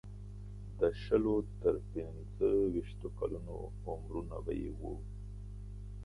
د شلو تر پنځه ویشتو کلونو عمرونه به یې وو.